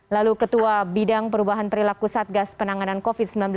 lalu ketua bidang perubahan perilaku satgas penanganan covid sembilan belas